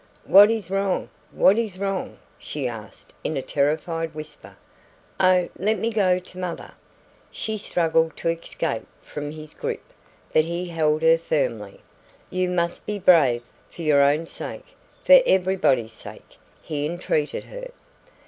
"What is wrong? What is wrong?" she asked in a terrified whisper. "Oh, let me go to mother." She struggled to escape from his grip, but he held her firmly. "You must be brave, for your own sake for everybody's sake," he entreated her.